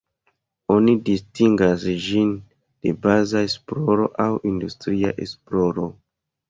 Oni distingas ĝin de baza esploro aŭ industria esploro.